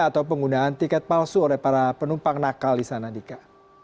atau penggunaan tiket palsu oleh para penumpang nakal di sana dika